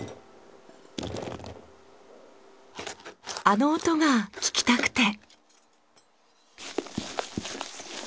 あの音が聞きたくて。